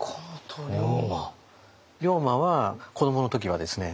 龍馬は子どもの時はですね